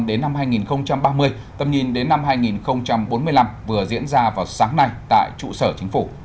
đến năm hai nghìn ba mươi tầm nhìn đến năm hai nghìn bốn mươi năm vừa diễn ra vào sáng nay tại trụ sở chính phủ